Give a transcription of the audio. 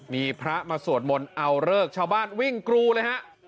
มีพระมาสวดมนต์เอาเลิกชาวบ้านวิ่งกรูเลยฮะ